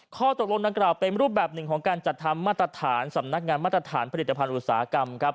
ข้อตกลงดังกล่าวเป็นรูปแบบหนึ่งของการจัดทำมาตรฐานสำนักงานมาตรฐานผลิตภัณฑ์อุตสาหกรรมครับ